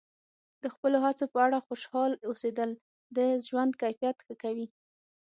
د خپلو هڅو په اړه خوشحاله اوسیدل د ژوند کیفیت ښه کوي.